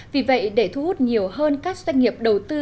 vì vậy để thu hút nhiều hơn các doanh nghiệp đầu tư